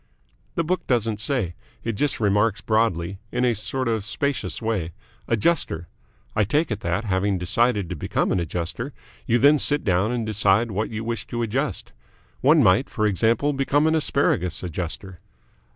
"The book doesn't say. It just remarks broadly in a sort of spacious way 'Adjuster.' I take it that, having decided to become an adjuster, you then sit down and decide what you wish to adjust. One might, for example, become an Asparagus Adjuster."